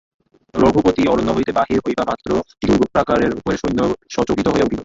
রঘুপতি অরণ্য হইতে বাহির হইবামাত্র দুর্গপ্রাকারের উপরে সৈন্যরা সচকিত হইয়া উঠিল।